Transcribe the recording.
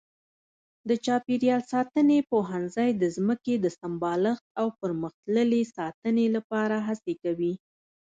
د چاپېریال ساتنې پوهنځی د ځمکې د سمبالښت او پرمختللې ساتنې لپاره هڅې کوي.